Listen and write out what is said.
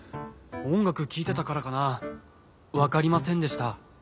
おんがくきいてたからかなわかりませんでした。